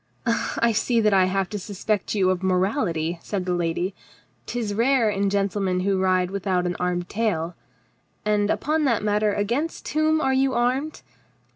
"I see that I have to suspect you of morality," said the lady. " 'Tis rare in gentlemen who ride with an armed tail. And upon that matter — against whom are you armed